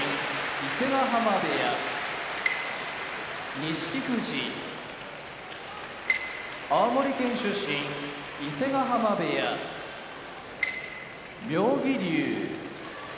伊勢ヶ濱部屋錦富士青森県出身伊勢ヶ濱部屋妙義龍